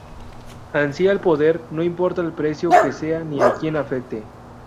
Ansía el poder, no importa el precio que sea ni a quien afecte.